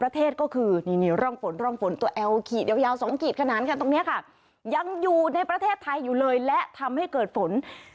แถมให้เกิดฝน